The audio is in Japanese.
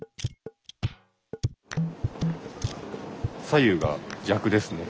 左右が逆ですね。